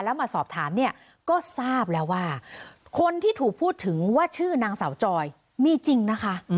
แล้วมาสอบถามเนี่ยก็ทราบแล้วว่าคนที่ถูกพูดถึงว่าชื่อนางสาวจอยมีจริงนะคะ